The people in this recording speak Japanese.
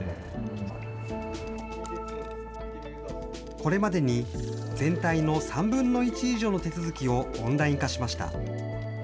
これまでに全体の３分の１以上の手続きをオンライン化しました。